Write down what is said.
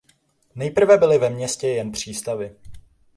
Nejprve byly ve městě jen přístavy.